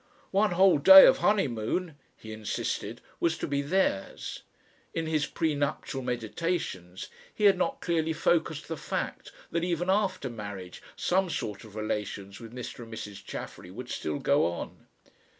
"One whole day of honeymoon," he insisted, was to be theirs. In his prenuptial meditations he had not clearly focussed the fact that even after marriage some sort of relations with Mr. and Mrs. Chaffery would still go on.